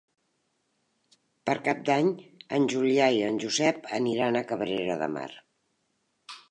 Per Cap d'Any en Julià i en Josep aniran a Cabrera de Mar.